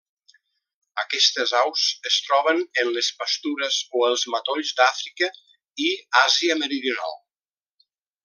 Aquestes aus es troben en les pastures o els matolls d'Àfrica i Àsia meridional.